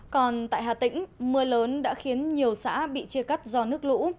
còn tại hà tĩnh mưa lớn đã khiến nhiều xã bị chia cắt do nước lũ